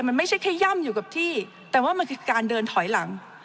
มันไม่ใช่แค่ย่ำอยู่กับที่แต่ว่ามันคือการเดินถอยหลัง